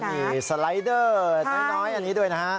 มีสไลดเดอร์น้อยอันนี้ด้วยนะฮะ